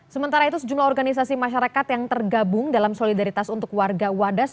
sementara itu sejumlah organisasi masyarakat yang tergabung dalam solidaritas untuk warga wadas